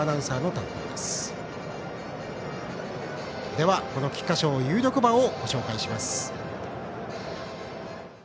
では、この菊花賞有力馬をご紹介します。